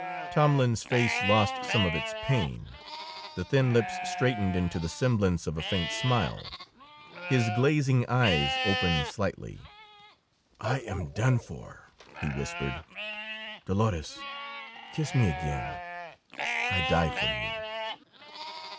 Tomlin's face lost some of its pain. The thin lips straightened into the semblance of a faint smile. His glazing eyes opened slightly. "I am done for," he whispered. "Dolores, kiss me again. I die for you."